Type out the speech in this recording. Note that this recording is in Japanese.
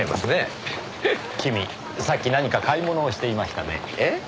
君さっき何か買い物をしていましたね。